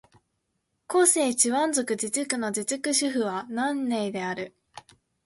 広西チワン族自治区の自治区首府は南寧である